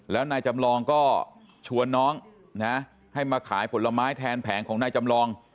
แล้วนายจำลองก็ชวนน้องนะให้มาขายผลไม้แทนแผงของนายจำลอง